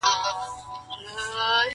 خرخو ځکه پر زمري باندي ډېر ګران وو-